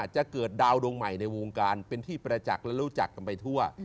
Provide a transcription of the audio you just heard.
จะเกิดดาวดวงใหม่ในวงการเป็นที่ประจักษ์และรู้จักกันไปทั่ว